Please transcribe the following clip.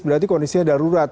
berarti kondisinya darurat